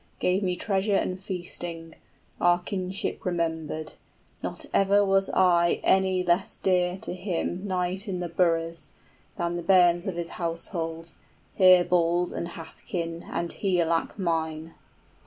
} 40 Gave me treasure and feasting, our kinship remembered; Not ever was I any less dear to him {He treated me as a son.} Knight in the boroughs, than the bairns of his household, Herebald and Hæthcyn and Higelac mine.